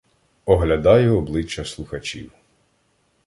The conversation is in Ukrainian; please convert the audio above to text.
Оглядаю обличчя слухачів.